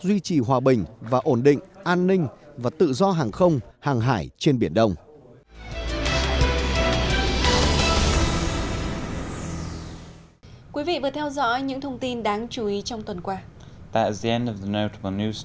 quý vị vừa theo dõi những thông tin đáng chú ý trong tuần qua